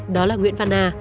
đó là nguyễn văn hà